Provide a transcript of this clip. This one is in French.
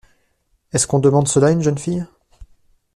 Est-ce qu’on demande cela à une jeune fille ?